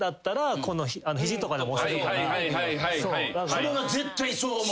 それは絶対そう思う。